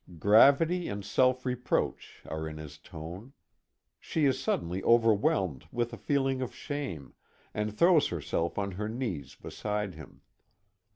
Gravity and self reproach are in his tone. She is suddenly overwhelmed with a feeling of shame, and throws herself on her knees beside him.